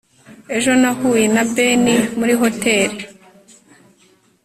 ejo nahuye na ben muri hoteri